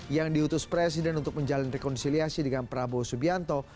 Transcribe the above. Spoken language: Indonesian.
yang diutus presiden untuk menjalin rekonsiliasi dengan prabowo subianto